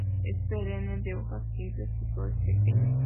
Es perenne, de hojas simples y flores pequeñas.